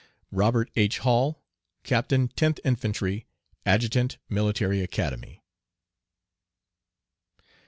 Robt. H. Hall, Captain 10th Infantry, Adjutant Military Academy.